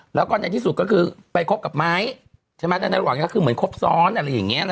แล้วก็ในที่สุดก็คือไปคบกับไม้ใช่ไหมแต่ในระหว่างนี้ก็คือเหมือนครบซ้อนอะไรอย่างนี้